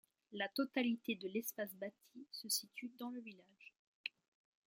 La totalité de l'espace bâti se situe dans le village.